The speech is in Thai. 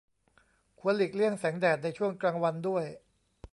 ควรหลีกเลี่ยงแสงแดดในช่วงกลางวันด้วย